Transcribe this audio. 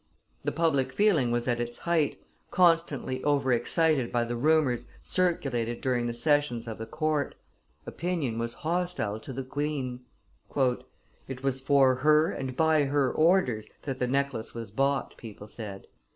The public feeling was at its height, constantly over excited by the rumors circulated during the sessions of the court. Opinion was hostile to the queen. "It was for her and by her orders that the necklace was bought," people said.